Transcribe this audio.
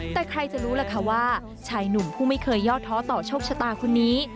แต่ใครจะรู้ล่ะคะว่าชายหนุ่มผู้ไม่เคยย่อท้อต่อโชคชะตาคนนี้